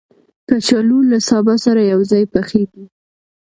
کچالو له سابه سره یو ځای پخېږي